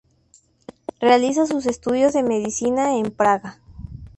Realiza sus estudios de medicina en Praga.